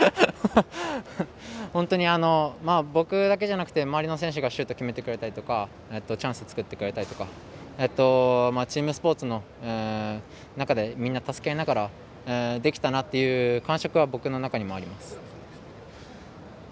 本当に僕だけじゃなくて周りの選手がシュート決めてくれたりとかチャンスを作ってくれたりチームスポーツの中でみんな助け合いながらできたなという感触は僕の中にもあります。